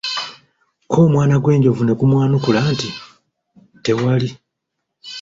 K'omwana gw'enjovu ne gumwanukula nti, tewali!